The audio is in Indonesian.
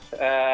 dan itu juga